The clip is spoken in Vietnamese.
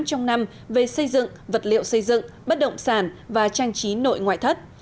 trong năm về xây dựng vật liệu xây dựng bất động sản và trang trí nội ngoại thất